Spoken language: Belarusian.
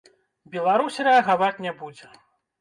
Беларусь рэагаваць не будзе.